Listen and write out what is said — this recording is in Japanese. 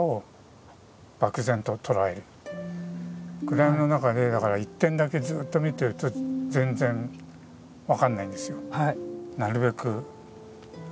暗闇の中でだから一点だけずっと見てると全然分かんないんですよ。